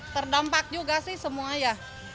terdampak juga sih semua ya